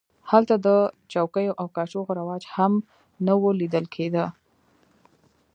هلته د چوکیو او کاچوغو رواج هم نه و لیدل کېده.